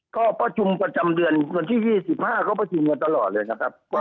ก็ประชุมประจำเดือนวันที่๒๕เขาประชุมกันตลอดเลยนะครับ